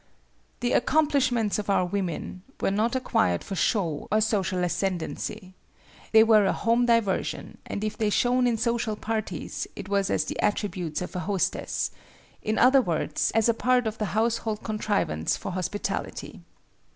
The accomplishments of our women were not acquired for show or social ascendency. They were a home diversion; and if they shone in social parties, it was as the attributes of a hostess,—in other words, as a part of the household contrivance for hospitality.